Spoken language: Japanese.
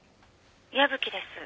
矢吹です。